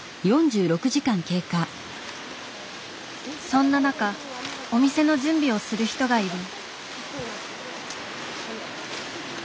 そんな中お店の準備をする人がいる。